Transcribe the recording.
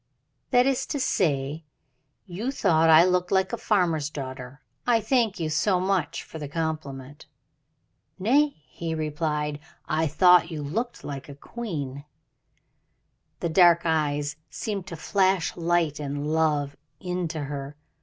"That is to say you thought I looked like a farmer's daughter. I thank you so much for the compliment." "Nay," he replied; "I thought that you looked like a queen." The dark eyes seemed to flash light and love into her own.